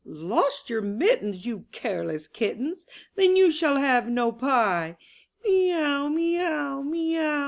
MlA ''Lost your mittens ! You careless kittens! Then you shall have no pie'/* "Mee ow, mee ow, mee ow!"